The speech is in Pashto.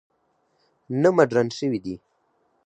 نه مډرن شوي دي.